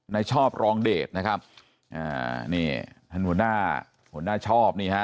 ชอบรองเดชนะครับอ่านี่ท่านหัวหน้าหัวหน้าชอบนี่ฮะ